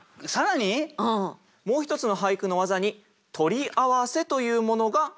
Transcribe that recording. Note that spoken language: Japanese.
もう一つの俳句の技に取り合わせというものがあります。